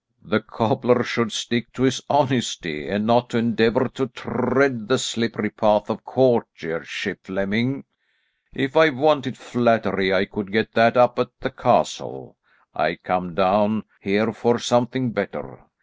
"The cobbler should stick to his honesty, and not endeavour to tread the slippery path of courtiership. Flemming, if I wanted flattery I could get that up at the castle. I come down here for something better.